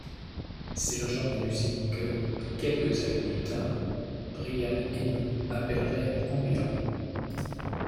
C'est le genre de musique que, quelques années plus tard, Brian Eno appellerait ambient.